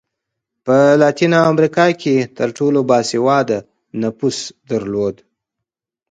په لاتینه امریکا کې تر ټولو با سواده نفوس درلود.